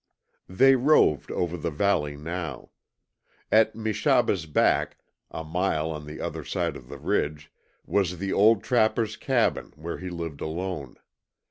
They roved over the valley now. At Meshaba's back, a mile on the other side of the ridge, was the old trapper's cabin, where he lived alone.